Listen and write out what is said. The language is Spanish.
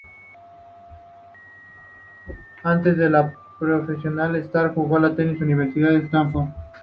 Antes de ser profesional, Stark jugó tenis para la Universidad de Stanford.